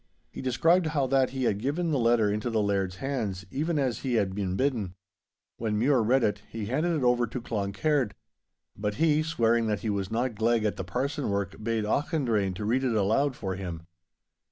He described how that he had given the letter into the Laird's hands, even as he had been bidden. When Mure had read it, he handed it over to Cloncaird. But he, swearing that he was not gleg at the parson work, bade Auchendrayne to read it aloud for him.